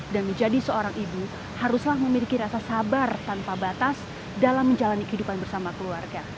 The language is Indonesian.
dan menjadi seorang ibu haruslah memiliki rasa sabar tanpa batas dalam menjalani kehidupan bersama keluarga